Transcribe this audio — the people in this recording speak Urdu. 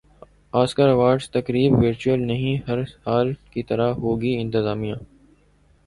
سکر ایوارڈز تقریب ورچوئل نہیں ہر سال کی طرح ہوگی انتظامیہ